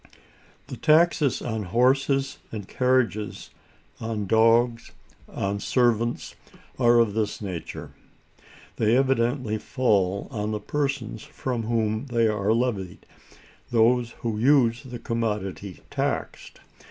The taxes on horses and carriages, on dogs, on servants, are of this nature. They evidently fall on the persons from whom they are levied—those who use the commodity taxed.